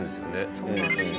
そうなんですね。